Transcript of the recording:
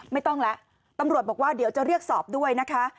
ไม่ต้องแล้วตำรวจบอกว่าเดี๋ยวจะเรียกสอบด้วยนะคะ